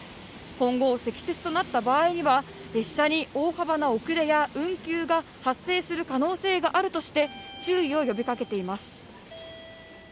今後積雪となった場合には列車に大幅な遅れや運休が発生する可能性があるとして注意を呼びかけています。